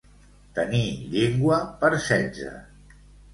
Tenir llengua per setze.